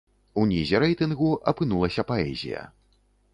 У нізе рэйтынгу апынулася паэзія.